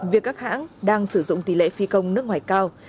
việc các hãng đang sử dụng tỷ lệ phi công nước ngoài cao